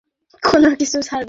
যতক্ষণ না আমরা কুকুর নিয়ে যাব!